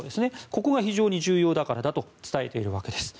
ここが非常に重要だからと伝えているわけです。